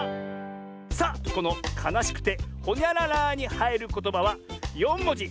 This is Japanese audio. さあこのかなしくて「ほにゃらら」にはいることばは４もじ。